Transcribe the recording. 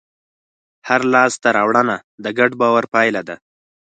هره لاستهراوړنه د ګډ باور پایله ده.